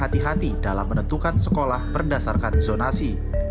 irma tidak berhati hati dalam menentukan sekolah berdasarkan zonasi